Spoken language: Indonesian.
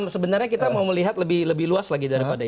sebenarnya kita mau melihat lebih luas lagi daripada